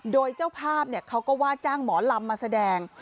โดยเจ้าภาพเขาก็ว่าจ้างหมอลำมาแสดง